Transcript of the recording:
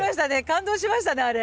感動しましたねあれ。